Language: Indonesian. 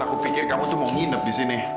aku pikir kamu tuh mau nginep disini